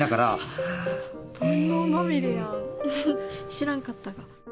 知らんかった。